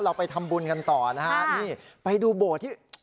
เราไปทำบุญกันต่อนะฮะนี่ไปดูโบสถ์ที่